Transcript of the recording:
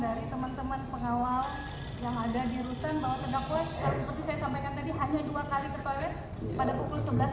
dari teman teman pengawal yang ada di rutan bahwa terdakwa seperti saya sampaikan tadi hanya dua kali ke toilet pada pukul sebelas